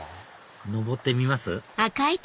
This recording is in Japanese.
上ってみます？